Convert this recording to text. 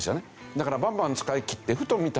だからバンバン使いきってふと見たら。